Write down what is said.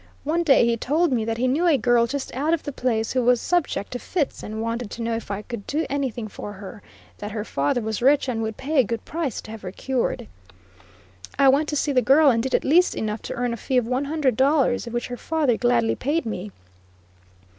One day he told me that he knew a girl just out of the place who was subject to fits, and wanted to know if I could do anything for her; that her father was rich and would pay a good price to have her cured. I went to see the girl and did at least enough to earn a fee of one hundred dollars, which her father gladly paid me.